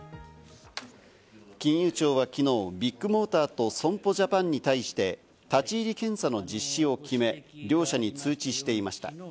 金融庁はきのうビッグモーターと損保ジャパンに対して立ち入り検査の実施を決め、両社に通知していました。